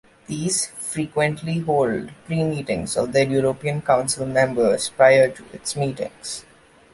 These frequently hold pre-meetings of their European Council members, prior to its meetings.